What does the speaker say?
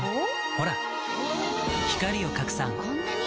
ほら光を拡散こんなに！